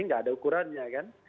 nggak ada ukurannya kan